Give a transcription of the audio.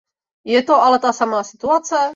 Je to ale ta samá situace?